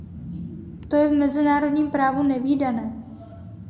To je v mezinárodním právu nevídané.